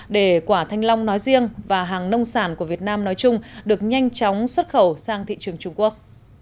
để quả thanh long nói riêng và hàng nông sản của việt nam nói chung được nhanh chóng xuất khẩu sang thị trường trung quốc